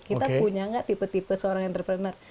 kita punya nggak tipe tipe seorang entrepreneur